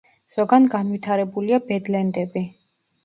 ზოგან განვითარებულია ბედლენდები.